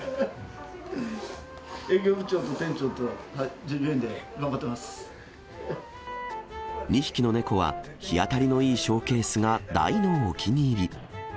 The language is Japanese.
営業部長の、２匹の猫は日当たりのいいショーケースが大のお気に入り。